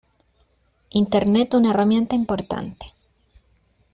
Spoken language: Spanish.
Internet una herramienta importante.